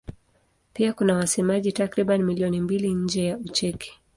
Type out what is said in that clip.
Pia kuna wasemaji takriban milioni mbili nje ya Ucheki.